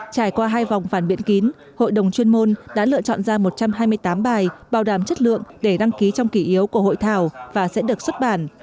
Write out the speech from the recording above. trải qua hai vòng phản biện kín hội đồng chuyên môn đã lựa chọn ra một trăm hai mươi tám bài bảo đảm chất lượng để đăng ký trong kỷ yếu của hội thảo và sẽ được xuất bản